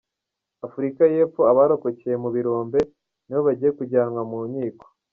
Afurika y’Epfo Abarokokeye mu birombe nibo bagiye kujyanwa mu nyiko